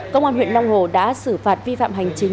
công an huyện long hồ đã xử phạt vi phạm hành chính